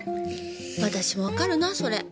私もわかるなそれ。